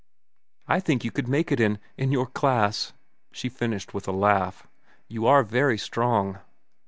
"I think you could make it in—in your class," she finished with a laugh. "You are very strong."